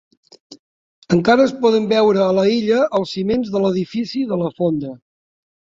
Encara es poden veure a l'illa els ciments de l'edifici de la fonda.